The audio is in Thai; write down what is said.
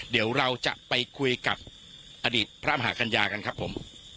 เดี๋ยวเราจะไปคุยกับอดีตพระมหากัญญากันครับผม